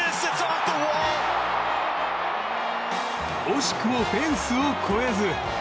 惜しくもフェンスを越えず。